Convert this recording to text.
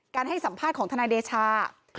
ให้สัมภาษณ์ของทนายเดชา